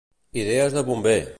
Idees de bomber.